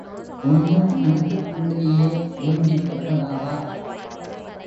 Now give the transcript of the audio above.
கொஞ்சம் மனசுக்குள்ளேயே வேண்டிக்கப்படாதா?